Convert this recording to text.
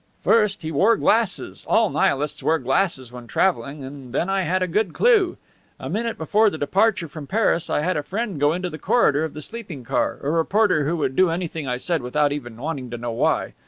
"First, he wore glasses. All Nihilists wear glasses when traveling. And then I had a good clew. A minute before the departure from Paris I had a friend go into the corridor of the sleeping car, a reporter who would do anything I said without even wanting to know why.